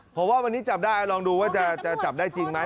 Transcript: เพราะว่าวันนี้จับได้ลองดูว่าจะจับได้จริงไหม